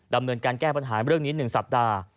ดำเนินการแก้ปัญหาเรื่องนี้๑สัปดาห์